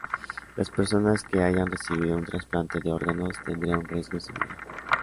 Las personas que hayan recibido un trasplante de órganos tendrían un riesgo similar.